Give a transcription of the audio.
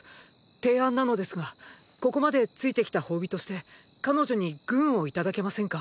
提案なのですがここまで付いてきた褒美として彼女に軍をいただけませんか？